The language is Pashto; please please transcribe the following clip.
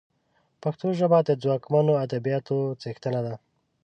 پښتو ژبه د ځواکمنو ادبياتو څښتنه ده